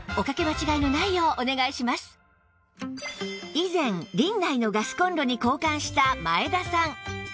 以前リンナイのガスコンロに交換した前田さん